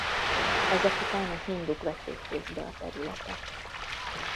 Ezek után a hinduk vették kézbe a területet.